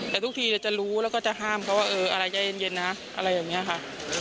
แต่ทุกทีจะรู้แล้วก็จะห้ามเขาว่าเอออะไรใจเย็นนะอะไรอย่างนี้ค่ะ